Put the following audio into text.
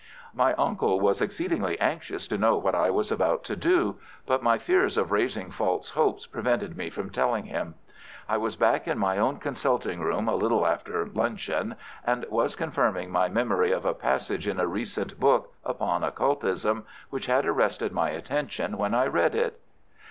My uncle was exceedingly anxious to know what I was about to do, but my fears of raising false hopes prevented me from telling him. I was back in my own consulting room a little after luncheon, and was confirming my memory of a passage in a recent book upon occultism which had arrested my attention when I read it.